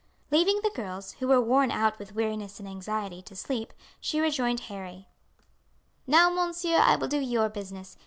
Leaving the girls, who were worn out with weariness and anxiety, to sleep, she rejoined Harry. "Now, monsieur, I will do your business.